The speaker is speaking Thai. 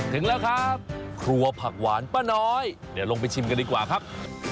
ถึงแล้วครับครัวผักหวานป้าน้อยเดี๋ยวลงไปชิมกันดีกว่าครับ